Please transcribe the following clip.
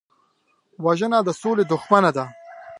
وژنه د سولې دښمنه ده